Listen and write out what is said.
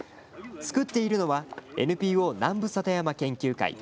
作っているのはＮＰＯなんぶ里山研究会。